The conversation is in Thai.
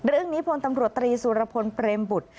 เรื่องนี้พลตำรวจตรีสุรพลเตรมบุตร